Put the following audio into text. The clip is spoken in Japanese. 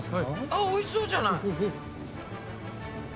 あっおいしそうじゃない。